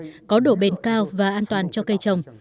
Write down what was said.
nó được làm từ nhựa polyprolylene có độ bền cao và an toàn cho cây trồng